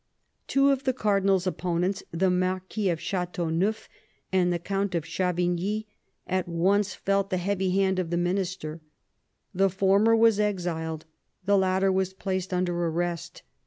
Two of the cardinal's opponents, the Marquis of Ch^teauneuf and the Count of Chavigny, at once felt the heavy hand of the minister. The former was exiled; the latter was placed under arrest.